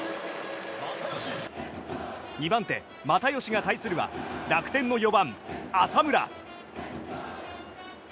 ２番手、又吉が対するは楽天の４番、浅村。